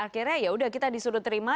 akhirnya ya sudah kita disuruh terima